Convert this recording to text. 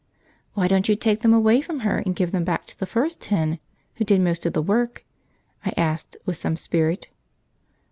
"Why don't you take them away from her and give them back to the first hen, who did most of the work?" I asked, with some spirit.